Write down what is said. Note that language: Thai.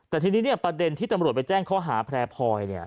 แต่ทีนี้ประเด็นที่ตำรวจไปแจ้งข้อหาแพลพลอย